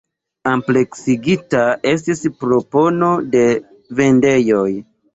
Ampleksigita estis propono de vendejoj.